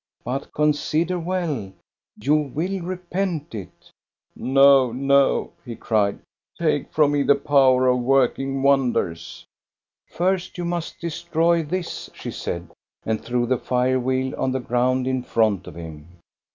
But consider well. You will repent it." " No, no !" he cried ;" take from me the power of working wonders !" "First, you must destroy this," she said, and threw the fire wheel on the ground in front of him.